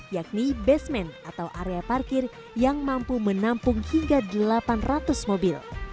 yakni basement atau area parkir yang mampu menampung hingga delapan ratus mobil